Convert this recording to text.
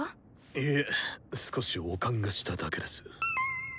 いえ少し悪寒がしただけです。